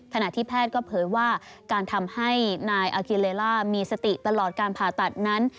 ขณะที่แพทย์ก็เผยว่าการทำให้นายอากิเลล่ามีสติตลอดการผ่าตัดนั้น